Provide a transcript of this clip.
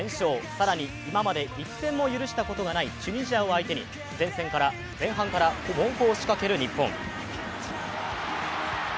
更に今まで１点も許したことのないチュニジアを相手に前半から猛攻を仕掛ける日本。